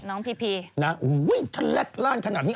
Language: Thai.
น้องพี่นะอุ๊ยถลัดล่านขนาดนี้